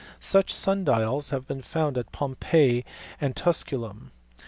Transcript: Such sun dials have been found at Pompeii and Tusculum.